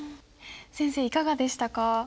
先生いかがでしたか？